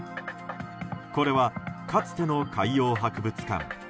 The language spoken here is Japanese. これは、かつての海洋博物館。